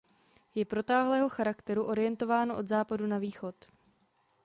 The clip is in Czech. Je protáhlého charakteru orientováno od západu na východ.